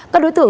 các đối tượng